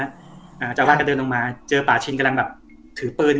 เจ้าอาวาสก็เดินลงมาเจอป่าชินกำลังแบบถือปืน